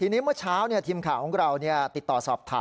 ทีนี้เมื่อเช้าทีมข่าวของเราติดต่อสอบถาม